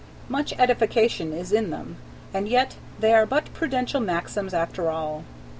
Much edification is in them, and yet they are but prudential maxims after all.